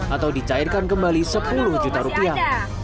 atau dicairkan kembali sepuluh juta rupiah